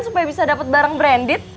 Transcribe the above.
supaya bisa dapat barang branded